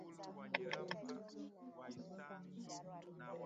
limetoa pia fursa kwa janga la pilli nalo ni habari za upotoshaji